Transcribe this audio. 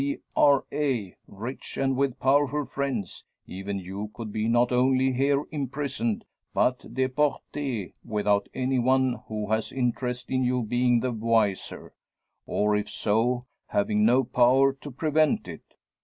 B.R.A.; rich, and with powerful friends even you could be not only here imprisoned, but deporte, without any one who has interest in you being the wiser; or, if so, having no power to prevent it.